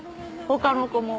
他の子も。